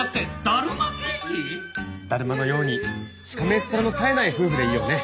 だるまのようにしかめっ面の絶えない夫婦でいようね。